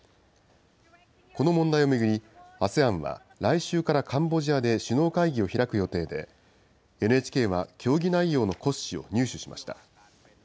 この問題を巡り、ＡＳＥＡＮは来週からカンボジアで首脳会議を開く予定で、ＮＨＫは協議内容の骨子を入手しました。